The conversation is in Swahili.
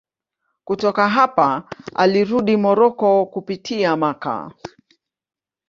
Kutoka hapa alirudi Moroko kupitia Makka.